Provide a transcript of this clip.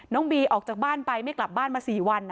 บีออกจากบ้านไปไม่กลับบ้านมา๔วัน